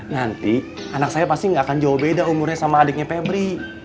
nanti anak saya pasti gak akan jauh beda umurnya sama adiknya pebri